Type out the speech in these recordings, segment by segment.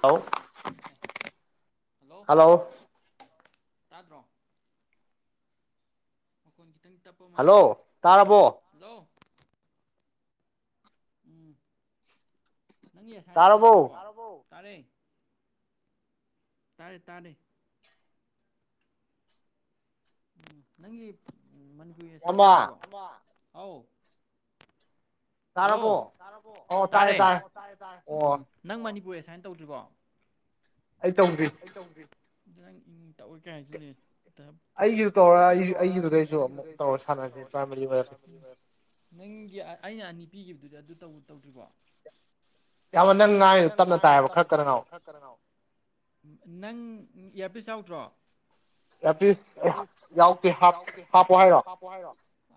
hello hello ꯇꯥꯗ꯭ꯔꯣ ꯑꯣꯣꯏ ꯎꯝ ꯅꯪꯒꯤ ꯑꯦꯁꯥꯏꯟ ꯇꯧꯗ꯭ꯔꯤꯕꯣ ꯇꯥꯔꯦ ꯇꯥꯔꯦ ꯇꯥꯔꯦ ꯎꯝ ꯅꯪꯒꯤ ꯃꯅꯤꯄꯨꯔꯤꯃꯥꯏꯅ ꯇꯧꯗ꯭ꯔꯤꯕꯣ ꯑ ꯍꯜꯂꯣꯔꯕꯣ ꯇꯥꯔꯦ ꯎꯝ ꯅꯪ ꯃꯅꯤꯄꯨꯔ ꯁꯨꯃꯥꯏꯟ ꯇꯧꯗ꯭ꯔꯤꯔꯤꯕꯣ ꯑꯩ ꯇꯧꯗ꯭ꯔꯤ ꯅꯪ ꯏꯪ ꯇꯧꯎꯏꯦ ꯀꯩ ꯍꯥꯏꯁꯨ ꯂꯩꯁꯦ ꯑꯩꯒꯤꯁꯨ ꯇꯧꯔ ꯑꯩ ꯑꯩꯒꯤꯗꯨꯗꯩꯁꯨ ꯑꯃꯨ ꯇꯧꯔ ꯁꯥꯟꯅꯁꯤ ꯅꯪꯒꯤ ꯑꯩꯅ ꯑꯅꯤ ꯄꯤꯈꯤꯕꯗꯨꯗꯤ ꯑꯗꯨ ꯇꯧꯗ꯭ꯔꯤꯔꯤꯕꯣ ꯌꯥꯝꯃꯣ ꯅꯪ ꯉꯥꯏꯗꯨ ꯇꯞꯅ ꯇꯥꯏꯕ ꯈꯔ ꯈꯔꯅꯥ ꯅꯪ ꯏꯌꯥꯔꯄꯤꯁ ꯌꯥꯎꯗ꯭ꯔꯣ ꯑꯦ ꯄꯂꯤꯁ ꯑꯩ ꯌꯥꯎꯛꯇꯦ ꯍꯥꯞꯄꯣ ꯍꯥꯏꯔꯣ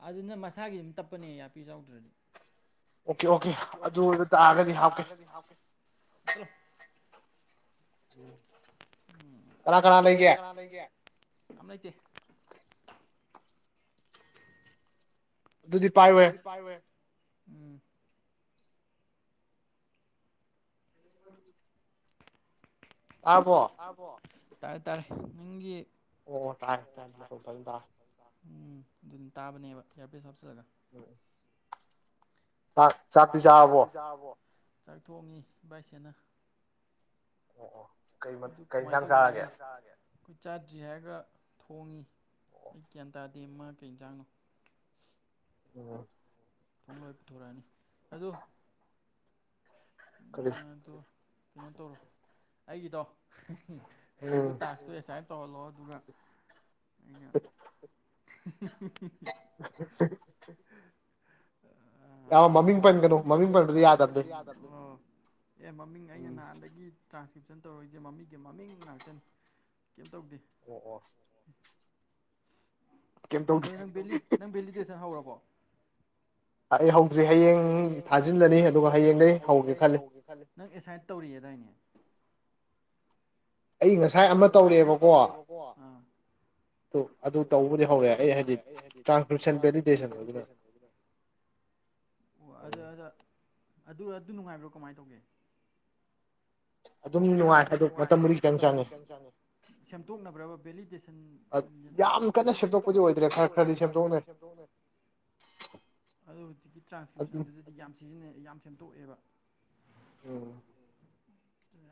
ꯑꯗꯨꯅ ꯃꯁꯥꯒꯤ ꯑꯗꯨꯝ ꯇꯞꯄꯅꯦ ꯌꯥꯄꯤ ꯆꯥꯎꯗ꯭ꯔꯗꯤ ꯑꯣꯀꯦ ꯑꯣꯀꯦ ꯑꯗꯨ ꯇꯥꯔꯒꯗꯤ ꯍꯥꯞꯀꯦꯂꯣ ꯎꯝ ꯀꯅꯥ ꯀꯅꯥ ꯂꯩꯒꯦ ꯀ ꯂꯩꯇꯦ ꯑꯗꯨꯗꯨꯗꯤ ꯄꯥꯏ ꯑꯣꯏꯦ ꯎꯝ ꯑꯥꯕꯣ ꯇꯔꯦ ꯇꯥꯔꯦ ꯅꯪꯒꯤ ꯑꯣ ꯇꯔ ꯇ ꯎꯝ ꯑꯗꯨꯝ ꯇꯥꯕꯅꯦꯕ ꯏꯌꯥꯔꯄꯦꯁ ꯍꯥꯞꯆꯤꯜꯂꯒ ꯎꯝ ꯆ ꯆꯥꯇꯗꯤ ꯆꯕꯣ ꯆꯥꯛꯊꯣꯡꯉꯤ ꯕꯥꯏꯁꯦꯅ ꯑꯣ ꯑꯣ ꯀꯩ ꯀꯩ ꯏꯟꯁꯥꯡ ꯆꯥꯔꯒꯦ ꯑꯩꯈꯣꯏ ꯆꯥꯗ꯭ꯔꯤ ꯍꯥꯏꯔꯒ ꯊꯣꯡꯉꯤ ꯑꯩ ꯒ꯭ꯌꯥꯟ ꯇꯥꯗ꯭ ꯃ ꯀꯩꯖꯅꯨ ꯎ ꯊꯣ ꯂꯣꯏ ꯄꯨꯊꯣꯔꯛꯑꯅꯤ ꯑꯣ ꯀꯔꯤ ꯀꯩꯅꯣ ꯇꯧꯔꯣ ꯑꯩꯒꯤꯗꯣ ꯍꯌꯦꯡꯗꯨ ꯇꯥꯛꯁꯇꯨ ꯑꯦꯁꯥꯏꯟ ꯇꯧꯍꯜꯂꯣ ꯑꯗꯨꯒ [unintelligible] [unintelligible] ꯅꯥꯕ ꯃꯃꯤꯡ ꯄꯟꯒꯅꯨ ꯃꯃꯤꯡ ꯄꯟꯕꯗꯤ ꯌꯥꯗꯕꯅꯦ ꯑꯣ ꯑꯦ ꯃꯃꯤꯡ ꯑꯩꯅ ꯅꯍꯥꯟꯗꯒꯤ ꯇ꯭ꯔꯥꯟꯁꯀ꯭ꯔꯤꯞꯁꯟ ꯇꯧꯔꯛꯏꯁꯦ ꯃꯃꯤꯡꯒꯤ ꯃꯃꯤꯡ ꯉꯥꯛꯇꯅꯤ ꯀꯩꯝ ꯇꯧꯗꯦ ꯑꯣ ꯑꯣ ꯑꯗꯨ ꯅꯪ ꯕꯦꯂꯤ ꯅꯪ ꯕꯦꯂꯤꯗꯁꯅ ꯍꯧꯔꯕꯣ [inaudible] ꯑꯩ ꯍꯧꯗ꯭ꯔꯤ ꯍꯌꯦꯡ ꯊꯥꯖꯤꯜꯂꯅꯤ ꯑꯗꯨꯒ ꯍꯌꯦꯡꯗꯒꯤꯩ ꯍꯧꯒꯦ ꯈꯜꯂꯤ ꯅꯪ ꯑꯦꯁꯥꯏꯠ ꯇꯧꯔꯤꯌꯦ ꯗꯥꯏꯅꯦ ꯑꯩ ꯉꯁꯥꯏ ꯑꯃ ꯇꯧꯔꯛꯑꯦꯕꯀꯣ ꯑꯗꯨ ꯑꯗꯨ ꯇꯧꯕꯗꯤ ꯍꯧꯔꯦ ꯑꯩ ꯍꯥꯏꯗꯤ ꯇ꯭ꯔꯥꯟꯁꯀꯔꯤꯁꯟ ꯚꯦꯂꯤꯗꯦꯁꯟꯗꯨꯅ ꯑꯣ ꯑꯗ ꯑꯗ ꯑꯗꯨ ꯑꯗꯨ ꯅꯨꯡꯉꯥꯏꯕ꯭ꯔꯣ ꯀꯃꯥꯏ ꯇꯧꯒꯦ ꯑꯗꯨꯝ ꯅꯨꯡꯉꯥꯏ ꯑꯗꯨ ꯃꯇꯝꯕꯨꯗꯤ ꯈꯤꯇ ꯆꯪꯉꯤ ꯁꯦꯝꯗꯣꯛꯅꯕ꯭ꯔꯕ ꯚꯦꯂꯤꯗꯦꯁꯟ ꯋꯝ ꯀꯟꯅꯥ ꯁꯦꯝꯗꯣꯛꯄꯗꯤ ꯑꯣꯏꯗ꯭ꯔꯦ ꯈꯔ ꯈꯔꯗꯤ ꯁꯦꯝꯗꯣꯛꯅꯩ ꯑꯗꯨ ꯍꯧꯖꯤꯛꯀꯤ ꯇ꯭ꯔꯥꯟꯁꯀ꯭ꯔꯤꯞꯁꯟꯗꯨꯗꯗꯤ ꯌꯥꯝ ꯁꯤꯖꯤꯟꯅꯩꯑꯦ ꯌꯥꯝ ꯁꯦꯝꯗꯣꯛꯑꯦꯕ ꯎꯝ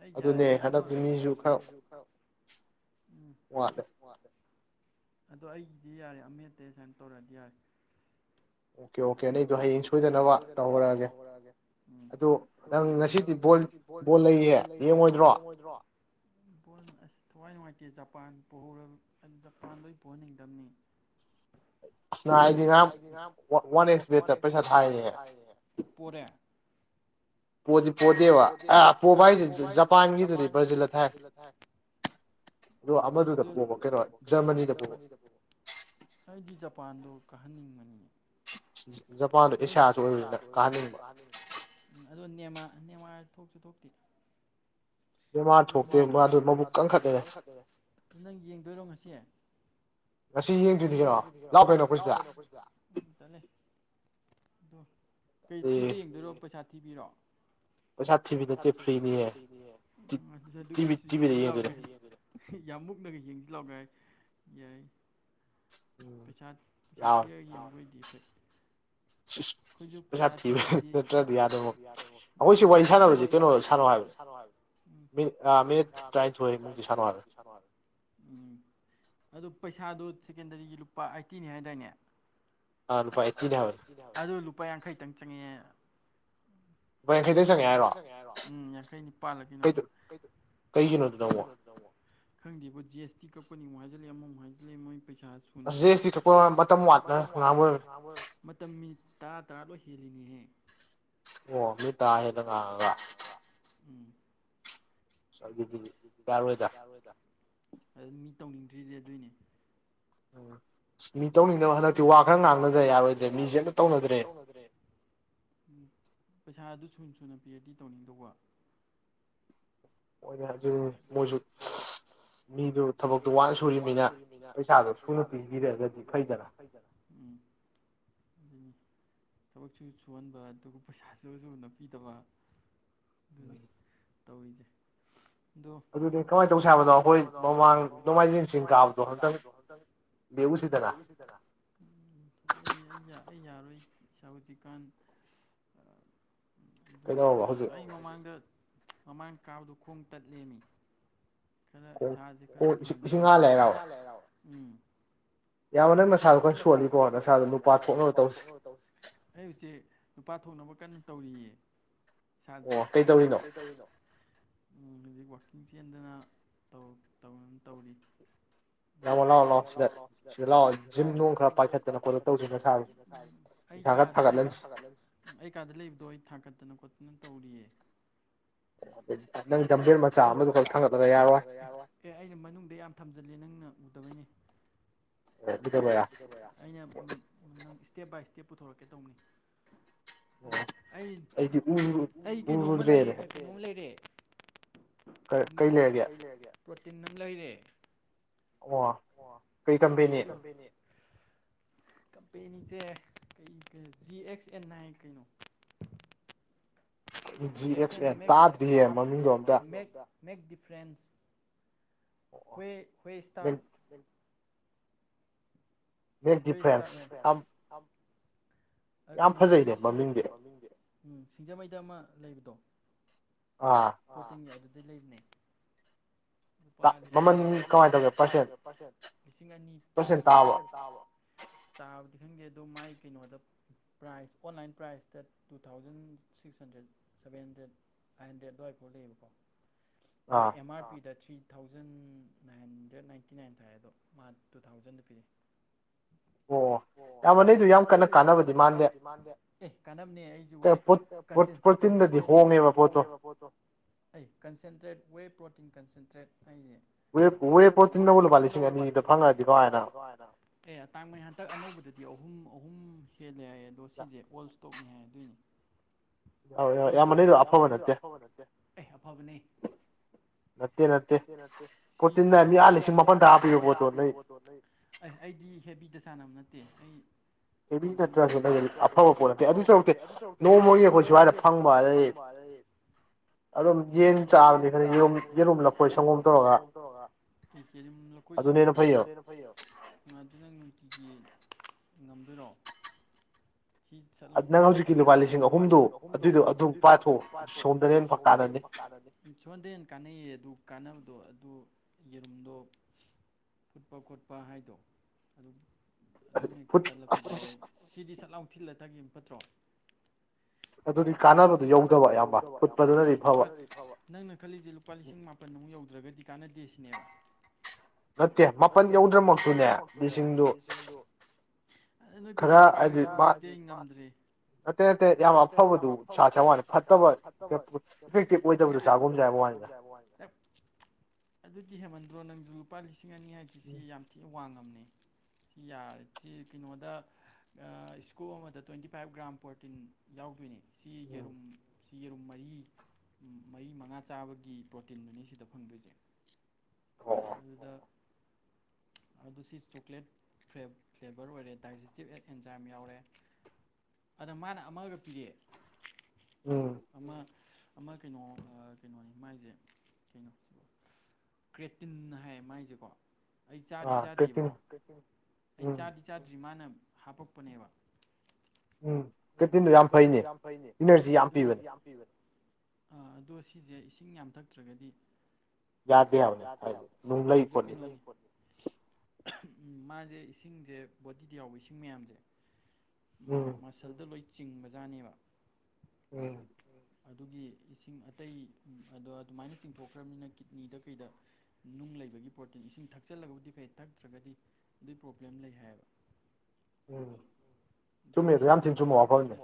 ꯑꯩ ꯌꯥꯔꯦ ꯑꯩ ꯑꯃ ꯍꯟꯗꯛ ꯃꯤꯁꯨ ꯈꯔ ꯎꯝ ꯋꯥꯠꯂ‌ꯦ ꯑꯗꯣ ꯑꯩꯒꯤꯗꯤ ꯌꯥꯔꯦ ꯑꯃꯦꯠꯇ ꯑ‌ꯦꯁꯃꯥꯏꯅ ꯇꯧꯔꯛꯑꯗꯤ ꯌꯥꯔꯦ ꯑꯣꯀꯦ ꯑꯣꯀꯦ ꯅꯪꯒꯤꯗꫭ ꯍꯌꯦꯡ ꯁꯣꯏꯗꯅꯕ ꯇꯧꯔꯛꯑꯒꯦ ꯑꯗꯨꯅꯪ ꯉꯁꯤꯗꯤ ꯕꯣꯜ ꯕꫭꯜ ꯂꯩꯌꯦ ꯌꯦꯡꯉꯣꯏꯗ꯭ꯔꯣ ꯊꯋꯥꯏ ꯅꯨꯡꯉꯥꯏꯇꯦ ꯖꯄꯥꯟ ꯄꫭꯍꯧꯔ ꯖꯄꯥꯟꯗꯣ ꯑꯩꯅ ꯄꯨꯍꯟꯅꯤꯡꯗꯕꯅꯤ ꯑꯁ ꯅꯥ ꯑꯩꯗꯤ ꯉꯔꯥꯡ ꯋꯥꯟ ꯑꯦꯁ ꯋꯥ ꯑ‌ꯦꯛꯁ ꯊꯥꯏꯅ‌ꯦ ꯄꫭꯔ‌ꯦ ꯄꯣꯗꯤ ꯄꯣꯗꯦꯕ ꯑ ꯄꯣꯕ ꯍꯥꯏꯁꯦ ꯖꯄꯥꯟꯒꯤꯗꯨꯗꯤ ꯕ꯭ꯔꯥꯖꯤꯜꯗ ꯊꯥꯏ ꯑꯣ ꯀꯩꯅꯣ ꯖꯔꯃꯅꯤꯗꯥ ꯄꫭꯕ ꯑꯩꯗꯤ ꯖꯄꯥꯟ ꯄꯥꯟꯗꯣ ꯀꯥꯍꯟꯅꯤꯡꯕꯅꯤꯅ‌ꯦ ꯖꯄꯥꯟꯗꫭ ꯑꯦꯁꯤꯌꯥꯁꯨ ꯑꯣꯏꯕꯅꯤꯅ ꯀꯥꯍꯅꯤꯡꯕ ꯑꯗꯣ ꯅ‌ꯦꯃꯥꯔ ꯅꯦꯃꯥꯔꯖꯨ ꯊꯣꯛꯁꯨ ꯊꯣꯛꯇꯦ ꯑꯗꯨ ꯅ‌ꯦꯃꯥꯔ ꯊꯣꯛꯇꯦꯕꯥ ꯑꯗꫭ ꯃꯕꯨꯛ ꯀꯟꯈꯠꯂ‌ꯦ ꯑꯗꯨ ꯅꯪ ꯌꯦꯡꯗꯣꯏꯔꯣ ꯉꯁꯤ ꯉꯁꯤ ꯌꯦꯡꯗꯦꯏꯅꯤ ꯀꯩꯅꯣ ꯂꯥꯎꯑꫭ ꯀꯩꯅꫭ ꯑꯈꫭꯏꯁꯤꯗ ꯑꯗꯣ ꯀꯩ ꯐ꯭ꯔꯤꯗ ꯌꯦꯡꯗꯣꯏꯔꯣ ꯄꯩꯁꯥ ꯊꯤꯕꯤꯔꯣ ꯄꯩꯁꯥ ꯊꯤꯕꯤ ꯅꯠꯇ ꯐ꯭ꯔꯤꯅꯤꯅ‌ꯦ ꯎꯝ ꯑꯗꯨ ꯑꯗꯨꯒ ꯏꯁ ꯌꯦꯡꯖꯤ ꯂꯥꯎꯒꯥꯏ ꯌꯥꯝ ꯃꯨꯛꯅꯒ ꯌꯦꯡꯁꯤ ꯂꯥꯛꯑꫭ ꯒꯥꯏ ꯌꯥꯏ ꯄꯩꯁꯥ ꯄꯩꯁꯥ ꯊꯤꯔꯒ ꯌꯦꯡꯕ ꯑꯣꯏꯗꯤ ꯁꯤ [unintelligible] ꯑꯩꯈꯣꯏꯁꯨ ꯄꯩꯁꯥ ꯊꯤꯗꯕ [unintelligible] ꯃꯤ ꯃꯤꯔꯠ ꯇꯥꯏ ꯊꯣꯏ ꯃꯛꯇꯤ ꯁꯅꯧ ꯍꯥꯏꯕꯅꯤ ꯎꯝ ꯑꯗꯨ ꯄꯩꯁꯥꯗꯨ ꯁꯦꯀꯦꯟꯗꯔꯤꯒꯤ ꯂꯨꯄꯥ ꯑꯥꯏꯠꯇꯤꯅꯤ ꯍꯥꯏꯗꯥꯏꯅꯦ ꯑꯥ ꯂꯨꯄꯥꯥ ꯏꯥꯏꯇꯤꯅ‌ꯦ ꯍꯥꯏꯕꯅ‌ꯦ ꯂꯨꯄꯥ ꯌꯥꯡꯈꯩꯇꯪ ꯆꯪꯉꯦ ꯂꯄꯥ ꯌꯥꯡꯈꯩꯗ ꯆꯪꯉꯦ ꯍꯥꯏꯔꯣ ꯎꯝ ꯌꯥꯡꯈꯩꯅꯤ ꯄꯥꯜꯂ ꯀꯅꯣ ꯈꯪꯗꯦꯕ ꯖꯤ ꯑꯦꯁ ꯇ ꯀꯄꯅꯤꯨꯛ ꯍꯥꯏꯖꯤꯜꯂꯦ ꯑꯃꯃꯨꯛ ꯍꯥꯏꯖꯤꯜꯂꯦ ꯃꯣꯏ ꯄꯩꯁꯥ ꯁꯨ ꯄꯤꯗꯦ ꯑꯁꯤ ꯃꯇꯝ ꯋꯥꯅ ꯉꯥꯡꯔ ꯃꯇꯝ [unintelligible] ꯇꯔꯥ ꯇꯔꯥ ꯂꯣꯏ ꯍꯦꯜꯂꯤꯉꯤꯍꯦ ꯑꯣ ꯃꯤ ꯇꯥ ꯍꯦꯂ ꯉꯥꯡꯉꯒ ꯆ ꯀꯔ ꯑꯣꯏꯗ ꯑꯗꯨ ꯃꯤ ꯇꯧꯅꯤꯡꯗ꯭ꯔꯤꯗꯤ ꯑꯗꯨꯏꯅꯦ ꯎꯝ ꯃꯤ ꯇꯧꯅꯤꯡꯗꯅꯕ ꯍꯟꯗꯛꯇꯤ ꯋꯥ ꯈꯔ ꯉꯥꯡꯅꯖ ꯌꯥꯔꯣꯏꯗ꯭ꯔꯦ ꯃꯤꯁꯦ ꯑꯝꯇ ꯇꯧꯅꯗ꯭ꯔꯦ ꯎꯝ ꯄꯩꯁꯥ ꯑꯗꯨ ꯁꯨꯅ ꯁꯨꯅ ꯄꯦꯔꯗꯤ ꯇꯧꯅꯤꯡꯗꯧꯕ ꯃ ꯑꯗꯨ ꯍꯧꯁꯨ ꯃꯤꯗꯨ ꯊꯕꯛꯇꯣ ꯋꯥꯅ ꯁꯨꯔꯤꯕꯅꯤꯅ ꯄꯩꯁꯥꯗꯣ ꯁꯨꯅ ꯄꯤꯕꯤꯔꯒꯗꯤ ꯐꯩꯗꯅ ꯎꯝ ꯊꯕꯛꯁꯨ ꯁꯨꯍꯟꯕ ꯑꯗꯨꯒ ꯄꯩꯁꯥꯁꯨꯁꯨꯅ ꯄꯤꯗꯕ ꯑꯗꯨꯅꯤ ꯇꯧꯔꯤꯁꯦ ꯑꯗꯨ ꯑꯗꯨꯗꯤ ꯀꯃꯥꯏꯅ ꯇꯧꯁꯦ ꯍꯥꯏꯕꯅꯣ ꯑꯩꯈꯣꯏ ꯃꯃꯥꯡ ꯅꯣꯡꯃꯥꯏꯖꯤꯡ ꯆꯤꯡ ꯀꯥꯕꯗꯣ ꯉꯇꯪ ꯍꯦꯠꯎꯁꯤꯗꯅ ꯑꯩ ꯌꯥꯔꯣꯏ ꯏꯁꯥꯕꯨꯗꯤꯤꯀꯥꯟ ꯑꯗꯨ ꯑꯗꯨ ꯊ ꯑꯩ ꯃꯃꯥꯡꯗ ꯃꯃꯥꯡ ꯀꯥꯕꯗꯣ ꯈꯣꯡ ꯇꯠ ꯂꯦꯃꯤ ꯈꯔ ꯏꯁꯥꯁꯦ ꯈꯔ ꯐꯟꯗ꯭ꯔꯒꯗꯤ ꯌꯥꯝꯌꯥꯝꯕ ꯅꯪ ꯅꯁꯥꯗꯣ ꯈꯔ ꯁꯣꯜꯂꯤꯀꯣ ꯅꯁꯥꯗꯣ ꯅꯨꯄꯥ ꯊꯣꯛꯅꯕ ꯇꯧꯁꯤ ꯑꯩ ꯅꯨꯄꯥ ꯊꯣꯛꯅꯕ ꯀꯟꯅ ꯇꯧꯔꯤꯌꯦ ꯏꯁꯥꯁꯦ ꯑꯣ ꯀ ꯇꯧꯔꯤꯅꯣ ꯍꯧꯖꯤꯛ ꯋꯥꯛꯀꯤꯡ ꯆꯦꯟꯗꯅ ꯇꯧꯅ ꯇꯧꯔꯤ ꯂꯥꯛꯑꯣ ꯂꯥꯛꯑꯣ ꯂꯥꯛꯑꯣ ꯁꯤꯗ ꯁꯤꯗ ꯂꯥꯛꯑꯣ ꯖꯤꯝ ꯅꯨꯡ ꯈꯔ ꯄꯥꯏꯈꯠꯇꯅ ꯈꯣꯂ ꯇꯧꯁꯤꯅ ꯁꯥꯔꯤ ꯑꯩ ꯀꯥꯗ ꯑꯩ ꯀꯥꯗ ꯂꯩꯕꯗꯣ ꯑꯩ ꯊꯥꯒꯠꯇꯅ ꯈꯣꯠꯇꯅ ꯇꯧꯔꯤꯌꯦ ꯎ ꯑꯩꯅ ꯃꯅꯨꯡꯗ ꯌꯥꯝ ꯊꯝꯖ ꯅꯅ ꯎꯗꯕꯩꯅꯦ ꯑꯩꯅ ꯁ꯭ꯇꯦꯞ ꯕꯥꯏ ꯁ꯭ꯇꯦꯞ ꯄꯨꯊꯣꯔꯛꯀꯦ ꯇꯧꯕꯅꯤ ꯑ ꯑꯩ ꯑꯩ ꯀꯩꯅꯣꯝꯃ ꯂꯩ ꯀꯩꯅꯣꯝꯃ ꯂꯩꯔꯦ ꯎ ꯂꯩꯒꯦ ꯄ꯭ꯔꯣꯇꯤꯟ ꯑꯃ ꯂꯩꯔꯦ ꯑꯣ ꯀꯩ ꯇꯝꯕꯤꯦꯅꯤ [unintelligible] ꯀꯝꯄꯦꯅꯤꯁꯦ ꯀꯩ ꯖꯤ ꯑꯦꯛꯁ ꯑꯦꯟ ꯅꯥꯏꯟ ꯀꯩꯅꯣ ꯖꯤ ꯑꯦꯛꯁ ꯑꯦ ꯇꯥꯗ꯭ꯔꯤꯌꯦꯦ ꯃꯃꯤꯡꯗꯣ ꯑꯝꯇ ꯃꯦꯛꯦꯛ ꯗꯤꯐ꯭ꯔꯦꯟꯁ ꯍꯣꯏ ꯍꯣꯏ ꯏꯁꯇ ꯏꯁ ꯀꯩꯅꯣꯗꯒꯤ ꯌꯥꯝ ꯐꯖꯩꯃꯤ ꯎꯝ ꯁꯤꯡꯖꯃꯩꯗ ꯑꯃ ꯂꯩꯕꯗꯣ ꯑꯗꯨꯗꯤ ꯂꯩꯕꯅꯦ ꯂꯨꯄꯥ ꯂꯤꯁꯤꯡ ꯑꯅꯤ ꯃꯃꯟ ꯀꯃꯥꯏꯅ ꯇꯧꯒꯦ ꯄꯔꯁꯦꯟ ꯂꯤꯁꯤꯡ ꯑꯅꯤ ꯄꯤ ꯄꯁ ꯇꯥꯕ ꯇꯥ ꯄꯤꯁꯤꯟꯒꯦ ꯑꯗꯣ ꯃꯒꯤ ꯀꯩꯅꯣꯗ ꯄ꯭ꯔꯥꯏꯁ ꯑꯣꯟꯂꯥꯏꯟ ꯄ꯭ꯔꯥꯏꯖꯇ two thousand six hundred seven hundred five hundred ꯑꯗꯨꯋꯥꯏꯐꯥꯎ ꯂꯩꯌꯦꯕꯀꯣ ꯑꯗꯣ ꯑꯦꯝ ꯑꯥꯔ ꯄꯤꯗ three thousand nine hundred ninety nine ꯊꯥꯏꯔꯦ ꯑꯗꯣ ꯃꯥ ꯇꯨ ꯊꯥꯎꯖꯟꯗ ꯄꯤꯔꯤ [unintelligible] ꯑꯣ ꯑꯣ ꯌꯥꯝꯃꯅꯦꯩ ꯑꯩꯁꯨ ꯌꯥꯝ ꯀꯟꯅ ꯀꯥꯟꯅꯕꯗꯤ ꯃꯥꯟꯗꯦ ꯑꯦ ꯀꯥꯟꯅꯕꯅꯦ ꯑꯩꯁꯨ ꯍꯦ ꯇ꯭ꯔꯋ꯭ꯔꯣꯇꯇ꯭ꯔꯦ ꯑꯩꯁꯦ ꯄ꯭ꯔꯣꯇ ꯂꯨꯄꯥ ꯂꯤꯁꯤꯡ ꯑꯅꯤꯗ ꯐꯪꯉꯛꯑꯗꯤꯀꯣꯗꯅ ꯑꯦ ꯇꯥꯡ ꯍꯟꯇꯛ ꯑꯅꯧꯕꯗꯗꯤ ꯑꯍꯨꯝ ꯂꯩꯔ ꯑꯗꯣ ꯁꯤꯁꯦ ꯑꯣꯜ ꯁ꯭ꯇꯣꯛꯅꯤ ꯍꯥꯏꯗꯣꯏꯅꯤ ꯍꯧ ꯂꯩ ꯑꯐꯕ ꯑꯐꯕ ꯅꯠꯇꯦ ꯅꯠꯇꯦ ꯑ ꯂꯤꯁꯤꯡ ꯃꯥꯄꯜꯗ ꯍꯥꯞꯄꯤꯌꯨ ꯄꯣꯠꯇꯣ ꯑꯩꯗꯤ ꯆꯦ ꯆꯥꯟꯅꯕ ꯅꯠꯇꯦ ꯑꯩ ꯀꯦꯕꯤ ꯅꯠꯇ꯭ꯔꯁꯨ ꯑꯐꯕ ꯄꯣꯠ ꯅꯠꯇꯦ ꯑꯗꯨꯁꯨꯔꯨꯛꯇꯦ ꯅꯣꯡꯃꯒꯤ ꯑꯩꯈꯣꯏ ꯁ꯭ꯋꯥꯏꯗ ꯐꯪꯕ ꯑꯗꯩ ꯂꯩ ꯑꯗꯨꯝ ꯌꯦꯟ ꯆꯥꯕꯅꯤ ꯈꯔ ꯌꯦꯨꯝ ꯌꯦꯔꯨꯝ ꯂ ꯌꯦꯦꯔꯨꯝ ꯂꯈꯣꯏ ꯁꯪꯒꯣꯝ ꯇꯧꯔꯒ ꯑꯩ ꯀꯨꯝ ꯂꯈꯣꯏ ꯁꯪꯒꯣꯝꯗꯨꯔ ꯐꯩꯌꯦꯕ ꯑꯗꯨꯪ ꯑꯩꯒꯤ ꯉꯝꯗꯣꯏꯔꯣ ꯂꯨꯄꯥ ꯂꯤꯁꯤꯡ ꯑꯍꯨꯝꯗꯨ ꯑꯗꯨꯏꯗꯣ ꯑꯗꯨ ꯄꯥꯊꯣꯛꯎ ꯁꯣꯗꯔꯦꯟ ꯎ ꯁꯣꯟꯗ ꯍꯦꯟꯅ ꯀꯥꯟꯅꯩꯌꯦ ꯑꯗꯨ ꯀꯥꯟꯅꯕꯗꯣ ꯑꯗꯨ ꯌꯦꯔꯨꯝꯗꯣ ꯐꯨꯠꯄ ꯈꯣꯠꯄ ꯍꯥꯏꯗꯣ ꯑꯗꯨꯝ ꯑꯗꯨꯝ ꯍꯦꯛꯇ ꯇꯜꯂꯛꯄ ꯌꯥꯎꯋꯦ ꯁꯤꯗꯤ ꯆꯠꯂꯥꯎ ꯊꯤꯜꯂ ꯇꯒꯤ ꯐꯠꯇ꯭ꯔꯣ ꯌꯗ ꯅꯪꯅ ꯈꯜꯂꯤꯁꯦ ꯂꯨꯄꯥ ꯂꯤꯁꯤꯡꯄꯟ ꯌꯧꯗ꯭ꯔꯒꯗꯤ ꯀꯥꯟꯅꯗꯦ ꯁꯤꯅꯦꯕ ꯅꯠꯇꯦ ꯃꯥꯄꯜ ꯌꯧꯗ꯭ꯔ ꯃꯛꯇꯨꯅꯦ ꯂꯤꯁꯤꯡꯗꯨ ꯑ ꯅꯣꯏ ꯄꯩꯁꯥ ꯄꯥꯏꯕꯗꯤꯗꯤ ꯑꯩ ꯉꯝꯗ꯭ꯔꯦ ꯑꯇꯩ ꯅꯠꯇꯇꯩ ꯌꯥꯝ ꯑꯐꯕꯗꯨ ꯆꯥꯁꯦ ꯋꯥꯅꯤ ꯐꯠꯇꯕ ꯏꯐꯦꯛꯇꯤꯕ ꯑꯣꯏꯗꯕꯗꯨ ꯆꯥꯒꯨꯝꯁꯦ ꯍꯥꯏꯕ ꯋꯥꯅꯤ ꯕꯉ ꯑꯗꯨꯗꯤ ꯍꯦꯃꯟꯗ꯭ꯔꯣ ꯅꯪꯁꯨ ꯂꯨꯄꯥ ꯂꯤꯁꯤꯡ ꯑꯅꯤꯉꯒꯤꯁꯤ ꯌꯥꯝ ꯊꯤꯅ ꯋꯥꯡꯉꯝꯅꯦ ꯌꯥꯔꯦ ꯁꯤ ꯀꯩꯅꯣꯗ ꯏꯁꯀꯣꯞ ꯑꯃꯗ ꯇ꯭ꯋꯦꯟꯇꯤ ꯐꯥꯏꯚ ꯒ꯭ꯔꯥꯝ ꯄꯣꯔꯇꯤꯟ ꯌꯥꯎꯗꯣꯏꯅꯤ ꯁꯤ ꯀꯦꯔꯨꯝ ꯁꯤꯒꯤꯔꯨꯝ ꯃꯔꯤ ꯃꯔꯤ ꯃꯉꯥ ꯆꯥꯕꯒꯤ ꯄ꯭ꯔꯣꯠ ꯇꯤꯟ ꯑꯅꯤ ꯁꯤꯗ ꯐꯪꯗꯣꯏꯁꯦ ꯑꯗꯨꯗ ꯑꯗꯨ ꯁꯤ ꯆꯣꯀ꯭ꯂꯦꯠ ꯐ꯭ꯂꯦꯕꯔ ꯑꯣꯏꯔꯦ ꯗꯥꯏꯖꯦꯁꯇꯤꯞ ꯑꯦꯠ ꯑꯦꯟꯖꯥꯏꯝ ꯌꯥꯎꯔꯦ ꯑꯗ ꯃꯥꯅ ꯑꯃꯒ ꯄꯤꯔꯛꯑꯦ ꯑꯃ ꯑꯃ ꯀꯩꯅꯣ ꯀꯩꯅꯣꯅꯤ ꯃꯥꯏꯁꯦ ꯀꯩꯅꯣ ꯀ꯭ꯔꯦꯇꯤꯟ ꯍꯥꯏꯌꯦ ꯃꯥꯏꯁꯦꯀꯣ ꯑꯩ ꯆꯥꯗꯤ ꯆꯥꯗꯦꯕꯀꯣ ꯑꯩ ꯆꯥꯗꯤ ꯆꯥꯗ꯭ꯔꯤ ꯃꯥꯅ ꯍꯥꯄꯞꯄꯅꯦꯕ ꯎꯝ ꯀꯦꯇꯤꯟꯗꯣ ꯌꯥꯝ ꯐꯩꯅꯦ ꯏꯅꯔꯖꯤ ꯌꯥꯝ ꯄꯤꯕꯅꯦ ꯑꯗꯣ ꯁꯤꯁꯦ ꯏꯁꯤꯡ ꯌꯥꯝꯊꯛꯇ꯭ꯔꯒꯗꯤ ꯌꯥꯗꯦ ꯍꯥꯏꯕꯅꯦ ꯍꯥꯏꯗꯤ ꯅꯨꯡ ꯂꯩ ꯈꯣꯠꯂꯤ ꯎꯝ ꯃꯥꯁꯦ ꯏꯁꯤꯡꯁꯦ ꯕꯣꯗꯤꯗ ꯌꯥꯎꯕ ꯏꯁꯤꯡ ꯃꯌꯥꯝꯁꯦ ꯃꯁꯜꯗ ꯂꯣꯏ ꯆꯤꯡꯕꯖꯥꯠꯅꯦꯕ ꯎꯝ ꯑꯗꯨꯒꯤ ꯏꯁꯤꯡ ꯑꯇꯩ ꯑꯗꯣ ꯑꯗꯨꯃꯥꯏꯅ ꯆꯤꯡꯊꯣꯛꯈ꯭ꯔꯕꯅꯤꯅ ꯀꯤꯠꯅꯤꯗ ꯀꯩꯗ ꯅꯨꯡ ꯂꯩꯕꯒꯤ ꯄ꯭ꯔꯣꯇꯤꯟ ꯏꯁꯤꯡ ꯊꯛꯆꯜꯂꯒꯕꯨꯗꯤ ꯐꯩ ꯊꯛꯇ꯭ꯔꯒꯗꯤ ꯑꯗꯨꯒꯤ ꯄ꯭ꯔꯣꯕ꯭ꯂꯦꯝ ꯂꯩ ꯍꯥꯏꯌꯦꯕ ꯎꯝ ꯆꯨꯝꯃꯦꯗꯣ ꯌꯥꯝ ꯊꯤ ꯆꯨꯝꯕ ꯋꯥꯐꯝꯅꯦ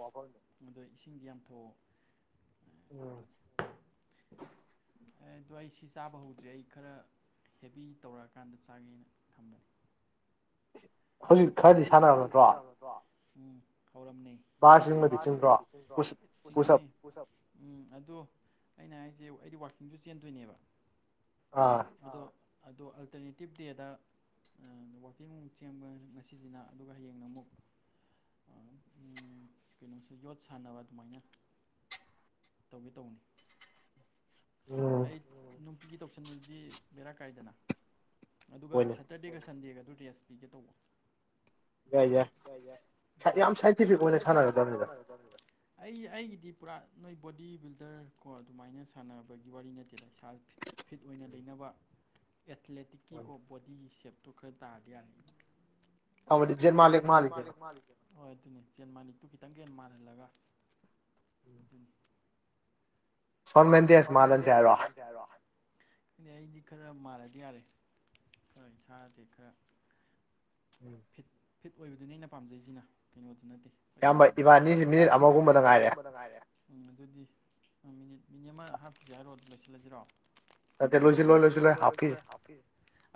ꯑꯗꯣ ꯏꯁꯤꯡ ꯌꯥꯝ ꯊꯣꯛꯣꯛꯎ ꯎꯝ ꯑꯗꯨ ꯑꯩ ꯁꯤ ꯆꯥꯕ ꯍꯧꯗ꯭ꯔꯦ ꯑꯩ ꯈꯔ ꯍꯦꯚ ꯇꯧꯔꯛꯑꯀꯥꯟꯗ ꯆꯥꯒꯦꯅ ꯊꯝꯕꯅꯦ [unintelligible] ꯍꯧꯖꯤꯛ ꯈꯔꯗꯤ ꯁꯥꯟꯅꯔꯕ ꯅꯠꯇ꯭ꯔꯣ ꯎꯝ ꯍꯧꯔꯝꯅꯤ ꯁꯤꯡꯕꯗꯤ ꯆꯤꯡꯕ꯭ꯔꯣ ꯄꯨꯟꯗꯨꯅꯤ ꯄꯨꯁꯞ ꯎꯝ ꯑꯗꯣ ꯑꯩꯅ ꯍꯥꯏꯁꯦ ꯑꯩꯗꯤ ꯋꯥꯛꯀꯤꯡꯗꯨ ꯆꯦꯟꯗꯣꯏꯅꯦꯕ ꯑꯥ ꯑꯗꯣ ꯑꯜꯇꯔꯅꯦꯇꯤꯞ ꯗꯦꯗ ꯋꯥꯋꯀꯤꯡ ꯆꯦꯟꯕ ꯁꯤꯁꯤꯅ ꯑꯗꯨꯒ ꯍꯌꯦꯡꯅ ꯑꯃꯨꯛ ꯎꯝ ꯀꯩꯅꯣꯁ ꯌꯣꯠ ꯁꯥꯟꯅꯅꯕ ꯑꯗꯨꯃꯥꯏꯅ ꯇꯧꯒꯦ ꯇꯧꯅꯤ ꯑꯩ ꯅꯨꯡꯇꯤꯒꯤ ꯇꯧꯁꯟꯕꯗꯨꯗꯤ ꯕꯦꯔꯥ ꯀꯥꯏꯗꯅ ꯑꯗꯨꯒ ꯁꯦꯇꯔꯗꯦꯒ ꯁꯟꯗꯦꯒ ꯑꯗꯨ ꯔꯦꯁ ꯄꯤꯒꯦ ꯇꯧꯕ ꯌꯥꯏ ꯌꯥꯏ ꯁꯥꯏꯟꯇꯐ ꯃ ꯁꯅꯥꯔ ꯑꯩ ꯑꯩꯒꯤꯗꯤ ꯄꯨꯔꯥ ꯅꯣꯏ ꯕꯣꯗꯤ ꯕꯤꯜꯗꯔ ꯀꯣ ꯑꯗꯨꯃꯥꯏꯅ ꯁꯥꯟꯅꯕ ꯍꯥꯏꯕꯒꯤ ꯋꯥꯔꯤ ꯅꯠꯇꯦꯗ ꯏꯁꯥ ꯐꯤꯠ ꯑꯣꯏꯅ ꯂꯩꯅꯕ ꯑꯦꯊꯂꯦꯇꯤꯛꯀꯤꯀꯣ ꯕꯣꯗꯤꯒꯤ ꯁꯦꯞ ꯇꯨ ꯈ ꯇꯗꯥꯗꯤ ꯌꯥꯅꯤ ꯑꯥꯎ ꯗꯤꯖꯦ ꯃꯥꯂꯤ ꯃꯥꯂꯤꯛꯅ ꯍꯣꯏ ꯑꯗꯨꯅꯤ ꯆꯦꯟ ꯃꯅꯤꯛꯇꯨ ꯈꯤꯇꯪꯒ ꯃꯥꯜꯍꯜꯂꯒ ꯑꯗꯨꯅꯤ ꯁꯣꯣꯟꯃꯦꯟ ꯗꯦꯁ ꯃꯥꯂꯟꯁꯦ ꯍꯥꯏꯔꯣ ꯑꯩꯗꯤ ꯈꯔ ꯃꯥꯟꯔꯗꯤ ꯌꯥꯔꯦ ꯈꯣꯏ ꯁꯥꯥꯁꯦ ꯈꯔ ꯐꯤꯠ ꯐꯤꯠ ꯑꯣꯏꯕꯗꯨꯅꯤ ꯑꯩꯅ ꯄꯥꯝꯖꯩꯁꯤꯅ ꯀꯩꯅꯣꯗꯨ ꯅꯠꯇꯦ ꯏꯌꯥꯝꯕ ꯏꯕꯥꯅꯤꯁꯤ ꯃꯤꯅꯤꯠ ꯑꯃꯒꯨꯝꯕꯗ ꯉꯥꯏꯔꯑꯦ ꯎꯝ ꯑꯗꯨꯗꯤ ꯃꯤꯅꯤꯠ ꯃꯤꯅꯤ ꯑꯃ ꯍꯥꯞꯄꯒꯦ ꯍꯥꯏꯔꯣ ꯂꯣꯏꯁꯤꯜꯂꯁꯤꯔꯣ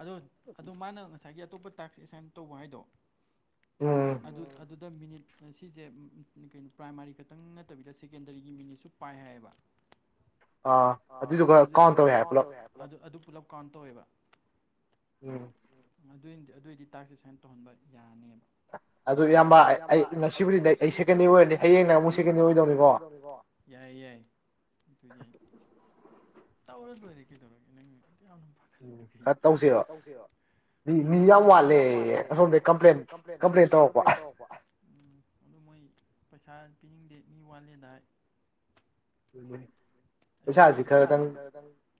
ꯑꯗꯨ ꯑꯗꯨ ꯃꯥꯅ ꯉꯁꯥꯏꯒꯤ ꯑꯇꯣꯞꯄ ꯇꯥꯛꯁ ꯑꯦꯥꯏꯟ ꯇꯧꯕ ꯍꯥꯏꯗꯣ ꯑꯗꯨꯗ ꯃꯤꯅꯤꯠ ꯁꯤꯁꯦ ꯀꯩꯅꯣ ꯄ꯭ꯔꯥꯏꯃꯥꯔꯤ ꯈꯛꯇꯪ ꯅꯠꯇꯕꯤꯗ ꯁꯦꯀꯦꯟꯗꯔꯤꯒꯤ ꯃꯤꯁꯁꯨ ꯄꯥꯏ ꯍꯥꯏꯌꯦꯕ ꯑꯗꯨ ꯑꯗꯨ ꯄꯨꯂꯞ ꯀꯥꯎꯟ ꯇꯧꯋꯦꯕ ꯑꯗꯨꯗꯤ ꯑꯗꯨꯑꯣꯏꯗꯤ ꯇꯥꯛꯁꯦ ꯁꯨꯃꯅ ꯇꯧꯍꯟꯕ ꯌꯥꯅꯦꯕ ꯑꯗꯨ ꯏꯌꯥꯝꯕ ꯑꯩ ꯉꯁꯤꯕꯨꯗꯤ ꯑꯩ ꯁꯦꯀꯦꯟꯗꯔ ꯑꯣꯏꯔꯅꯤ ꯍꯌꯦꯡꯅ ꯑꯃꯨꯛ ꯁꯦꯀꯦꯟꯗꯔ ꯑꯣꯏꯗꯧꯅꯤꯀꯣ ꯌꯥꯏ ꯌꯥꯏ ꯑꯗꯨ ꯌꯥꯏ ꯇꯧꯔ ꯂꯣꯏꯔꯦ ꯀꯩꯗꯧꯔꯒꯦ ꯅꯪ ꯌꯥꯝꯅ ꯄꯥꯈꯠꯂꯤꯗꯨꯒꯤ ꯇꯧꯁꯦꯕ ꯃꯥꯜꯂꯦ ꯑꯁꯣꯝꯗ ꯀꯝꯄ꯭ꯂꯦꯟ ꯀꯝꯄ꯭ꯂꯦꯟ ꯇꯧꯔꯄ ꯑꯗꯨ ꯃꯣꯏ ꯄꯩꯁꯥ ꯄꯤꯅꯤꯡꯗꯦ ꯃꯤ ꯋꯥꯠꯂꯦꯗꯗꯥꯏ ꯎꯝ ꯑꯩꯈꯣꯏ ꯑꯩꯅ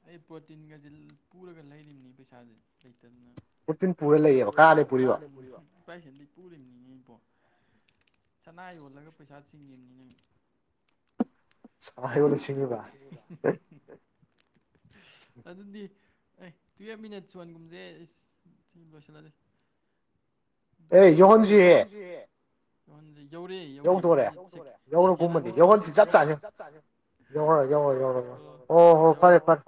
ꯑꯩ ꯄ꯭ꯔꯣꯇꯤꯟꯒꯁ ꯄꯨꯔꯒ ꯂꯩꯔꯤꯕꯅꯤ ꯄꯩꯁꯥꯥꯁ ꯄꯁ ꯄꯨꯔꯤꯕꯅꯤꯉ ꯏꯣ ꯆꯅꯥ ꯌꯣꯜꯂꯒ ꯄꯩꯁꯥꯁꯤꯡ ꯌꯦꯡꯅꯤꯅꯦ ꯥꯏꯁꯤ ꯑꯗꯨꯗꯤ ꯑꯦ ꯇꯨꯌꯦꯞ ꯃꯤꯅꯠꯁ ꯁꯣꯟꯒꯨꯝꯁꯦ ꯑꯩ ꯁꯤ ꯂꯣꯏꯁꯤꯜꯂꯂ ꯑꯦ ꯌꯧꯍꯣꯟꯁꯤꯍꯦ ꯌ ꯌꯧꯔꯦ ꯌꯧꯔꯦ ꯃꯤꯅꯤꯠꯦꯀꯦꯟ ꯍ ꯔꯣ ꯖꯔꯣ ꯔꯣ ꯍ ꯍꯣ ꯐꯔꯦ ꯐꯔꯦ